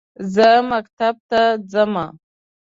زه مکتب ته زمه